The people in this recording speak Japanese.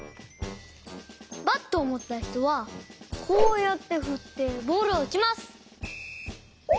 バットをもったひとはこうやってふってボールをうちます。